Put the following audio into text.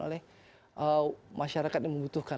oleh masyarakat yang membutuhkan